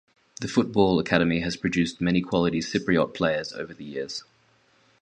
The football academy has produced many quality Cypriot players over the years.